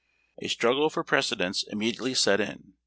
A struggle for precedence immedi ately set in.